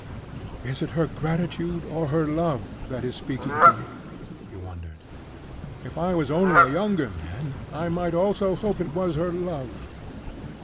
"Is it her gratitude, or her love; that is speaking to me?" he wondered. "If I was only a younger man, I might almost hope it was her love."